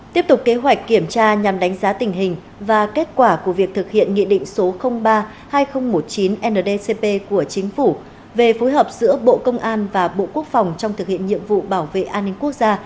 tiếp tục kế hoạch kiểm tra nhằm đánh giá tình hình và kết quả của việc thực hiện nghị định số ba hai nghìn một mươi chín ndcp của chính phủ về phối hợp giữa bộ công an và bộ quốc phòng trong thực hiện nhiệm vụ bảo vệ an ninh quốc gia